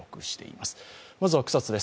まずは草津です。